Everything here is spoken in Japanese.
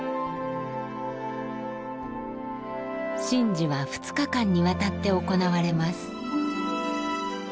神事は２日間にわたって行われます。